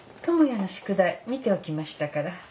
智也の宿題見ておきましたから。